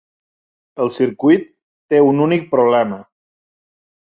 El circuit té un únic problema.